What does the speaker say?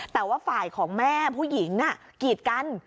แต่ว่าฝ่ายของแม่ผู้หญิงกีดกัน